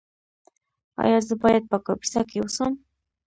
ایا زه باید په کاپیسا کې اوسم؟